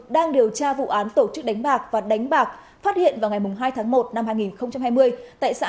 đang điều tra vụ án tổ chức đánh bạc và đánh bạc phát hiện vào ngày hai tháng một năm hai nghìn hai mươi tại xã